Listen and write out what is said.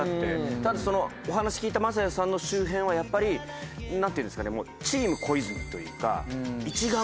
ただそのお話聞いた正也さんの周辺はやっぱり何ていうんですかねもう。